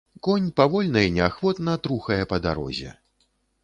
Конь павольна і неахвотна трухае па дарозе.